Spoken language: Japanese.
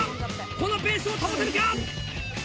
このペースを保てるか？